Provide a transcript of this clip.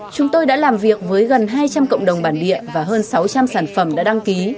chúng tôi đã làm việc với gần hai trăm linh cộng đồng bản địa và hơn sáu trăm linh sản phẩm đã đăng ký